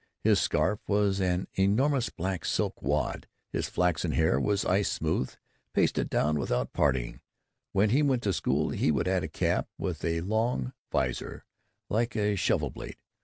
His scarf was an enormous black silk wad. His flaxen hair was ice smooth, pasted back without parting. When he went to school he would add a cap with a long vizor like a shovel blade.